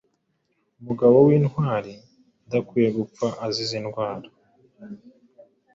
umugabo wintwari adakwiye gupfa azize indwara